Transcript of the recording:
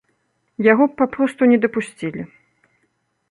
Яго б папросту не дапусцілі.